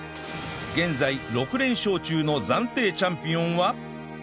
現在６連勝中の暫定チャンピオンは